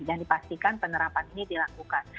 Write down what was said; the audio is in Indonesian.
dan dipastikan penerapan ini dilakukan